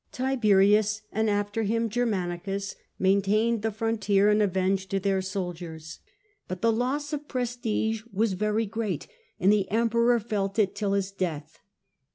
Tiberius, and after him Germanicus, maintained the fron tier and avenged their soldiers ; but the loss of prestige was very great, and the emperor felt it till his death.